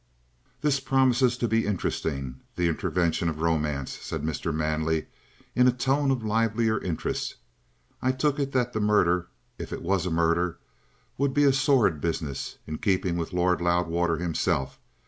"This promises to be interesting the intervention of Romance," said Mr. Manley in a tone of livelier interest. "I took it that the murder, if it was a murder, would be a sordid business, in keeping with Lord Loudwater himself.